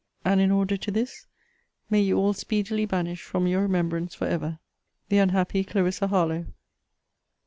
And, in order to this, may you all speedily banish from your remembrance, for ever, The unhappy CLARISSA HARLOWE!